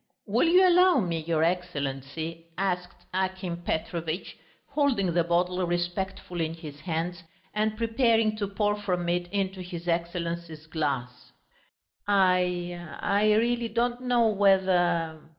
"Will you allow me, your Excellency?" asked Akim Petrovitch, holding the bottle respectfully in his hands and preparing to pour from it into his Excellency's glass. "I ... I really don't know, whether...."